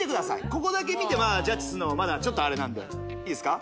ここだけ見てジャッジするのはまだちょっとあれなんでいいですか？